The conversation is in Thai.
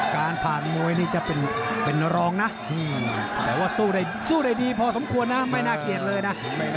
การผ่านมวยนี่จะเป็นรองนะแต่ว่าสู้ได้ดีพอสมควรนะไม่น่าเกลียดเลยนะ